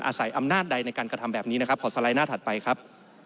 อาศัยอำนาจใดในการกระทำแบบนี้นะครับขอสไลด์หน้าถัดไปครับ